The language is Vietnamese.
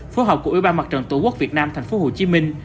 phối hợp của ủy ban mặt trận tổ quốc việt nam thành phố hồ chí minh